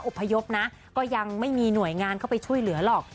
พยพนะก็ยังไม่มีหน่วยงานเข้าไปช่วยเหลือหรอก